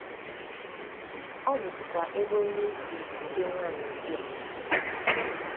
Ọ bụzịkwa ebe onye siri kote nwaanyị ugbua